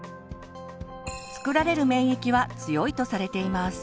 作られる免疫は強いとされています。